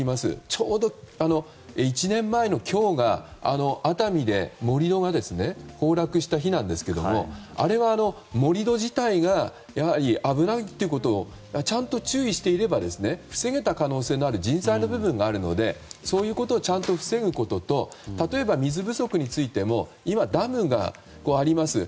ちょうど、１年前の今日が熱海で盛り土が崩落した日なんですけれどもあれは盛り土自体が危ないということをちゃんと注意していれば防げた可能性のある人災の部分があるのでそういうことをちゃんと防ぐのと例えば水不足についても今、ダムがあります。